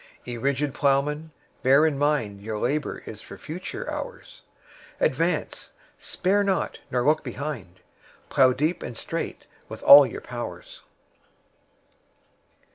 Ye rigid Ploughmen, bear in mind Your labour is for future hours: Advance—spare not—nor look behind— 15 Plough deep and straight with all your powers!